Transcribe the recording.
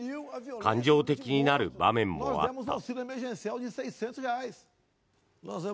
感情的になる場面もあった。